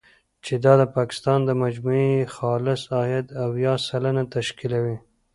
چې دا د پاکستان د مجموعي خالص عاید، اویا سلنه تشکیلوي.